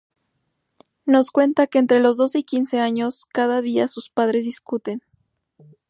Nos cuenta que entre los doce y quince años cada día sus padres discuten.